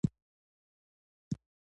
له وسلو سره یو ځای، ښه خوند یې کاوه.